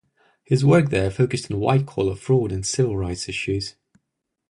His work there focused on white collar fraud and civil rights issues.